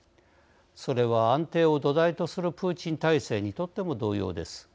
それは安定を土台とするプーチン体制にとっても同様です。